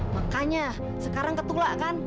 makanya sekarang ketulak kan